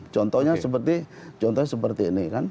contohnya seperti ini